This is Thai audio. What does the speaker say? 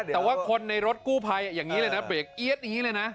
แต่ว่าคนในรถกู้ภัยอย่างนี้เลยนะเบรกเอี๊ยดอย่างนี้เลยนะ